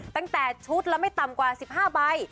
ตั้งแต่ชุดละไม่ต่ำกว่า๑๕ใบ